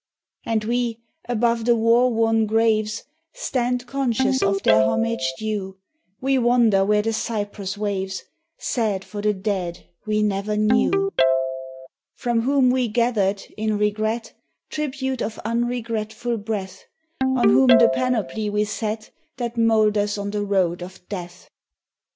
And we, above the war won graves, Stand conscious of their homage due; We wander where the cypress waves, Sad for the dead we never knew From whom we gathered, in regret, Tribute of unregretful breath; On whom the panoply we set That molders on the road of Death.